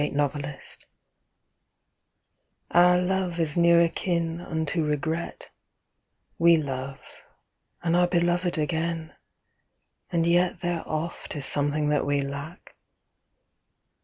DISSATISFACTION Our love is near akin unto regret; We love, and are beloved again, and yet There oft is something that we lack.